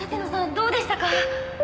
どうでしたか？